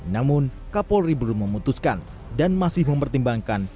namun kapolri belum memutuskan dan masih mempertimbangkan